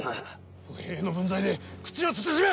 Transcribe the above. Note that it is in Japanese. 歩兵の分際で口を慎め！